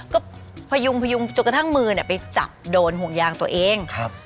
ก็พยุงจนกระทั่งมือไปจับโดนห่วงยางตัวเอง